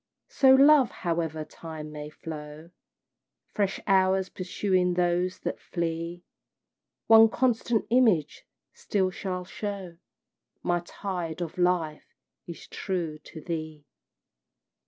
So, love, however time may flow, Fresh hours pursuing those that flee One constant image still shall show My tide of life is true to thee!